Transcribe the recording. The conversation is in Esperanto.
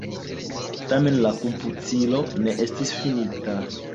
Tamen la komputilo ne estis finita.